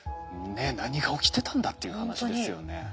ねっ何が起きてたんだっていう話ですよね。